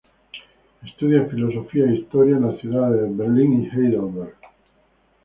Estudia Filosofía e Historia en las ciudades de Berlín y Heidelberg.